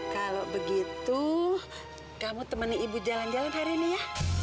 kalau begitu kamu temani ibu jalan jalan hari ini ya